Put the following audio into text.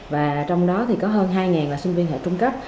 và trong đó thì có hơn hai là sinh viên hệ trung cấp